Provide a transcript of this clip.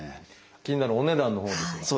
気になるお値段のほうですが。